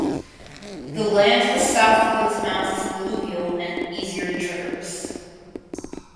The land to the south of those mountains is alluvial and easier to traverse.